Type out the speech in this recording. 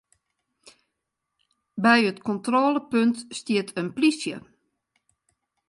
By it kontrôlepunt stiet in plysje.